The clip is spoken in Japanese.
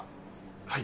はい。